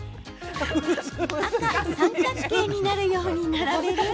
赤・三角形になるように並べる。